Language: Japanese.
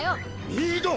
ミード！